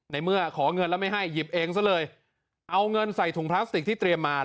ในเมื่อขอเงินแล้วไม่ให้หยิบเองซะเลยเอาเงินใส่ถุงพลาสติกที่เตรียมมา